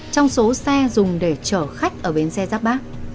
trong số xe dùng để chở khách ở bến xe giáp bát